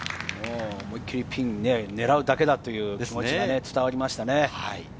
思い切りピン狙うだけだという気持ちが伝わりましたね。